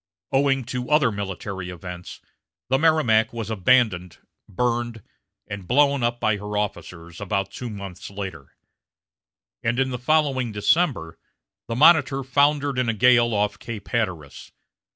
Owing to other military events, the Merrimac was abandoned, burned, and blown up by her officers about two months later; and in the following December, the Monitor foundered in a gale off Cape Hatteras.